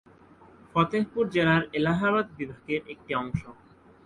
ফতেহপুর জেলা এলাহাবাদ বিভাগের একটি অংশ।